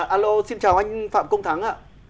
alo xin chào anh phạm công thắng ạ